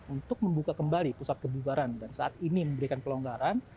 untuk membuka kembali pusat kebubaran dan saat ini memberikan pelonggaran